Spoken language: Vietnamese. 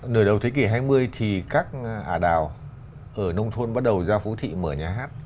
nửa đầu thế kỷ hai mươi thì các ả đào ở nông thôn bắt đầu ra phố thị mở nhà hát